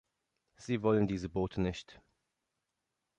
Sie wollen diese Boote nicht.